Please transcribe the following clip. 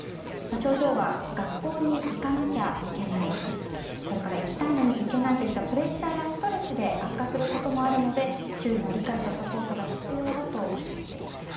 症状は学校に行かなきゃいけない行きたいのに行けないといったプレッシャーやストレスで悪化することもあるので周囲の理解とサポートが必要だとおっしゃっていました。